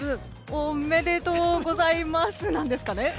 おめでとうございますなんですかね？